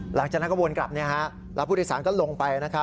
หลังจากนั้นก็วนกลับแล้วผู้โดยสารก็ลงไป